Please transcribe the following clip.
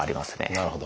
なるほど。